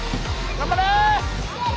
頑張れ！